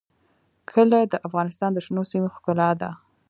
کلي د افغانستان د شنو سیمو ښکلا ده.